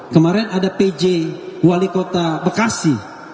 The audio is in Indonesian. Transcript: kemarin ada pj wali kota bekasi